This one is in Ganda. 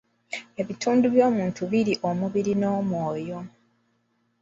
Ebitundu by'omuntu biri: omubiri n'omwoyo.